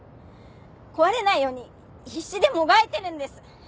壊れないように必死でもがいてるんです。